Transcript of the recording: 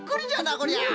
こりゃ。